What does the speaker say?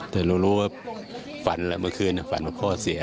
แต่เรารู้ว่าฝันแล้วเมื่อคืนฝันว่าพ่อเสีย